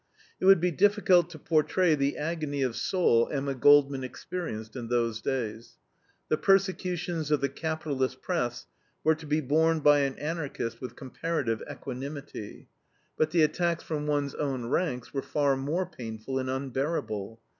It would be difficult to portray the agony of soul Emma Goldman experienced in those days. The persecutions of the capitalist press were to be borne by an Anarchist with comparative equanimity; but the attacks from one's own ranks were far more painful and unbearable.